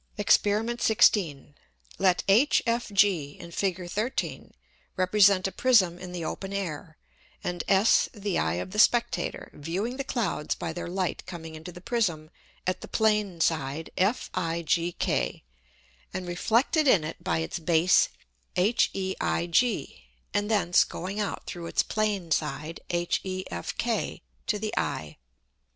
[Illustration: FIG. 13.] Exper. 16 Let HFG [in Fig. 13.] represent a Prism in the open Air, and S the Eye of the Spectator, viewing the Clouds by their Light coming into the Prism at the Plane Side FIGK, and reflected in it by its Base HEIG, and thence going out through its Plane Side HEFK to the Eye.